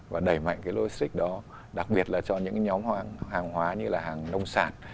và đẩy mạnh cái logic đó đặc biệt là cho những nhóm hàng hóa như là hàng nông sản